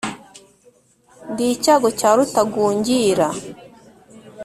Ndi icyago cya Rutagungira,